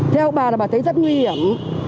theo bà là bà thấy rất nguy hiểm